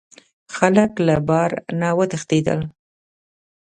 خلک له بار نه وتښتیدل.